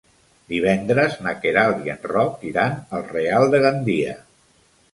Divendres na Queralt i en Roc iran al Real de Gandia.